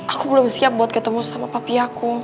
aku belum siap buat ketemu sama papi aku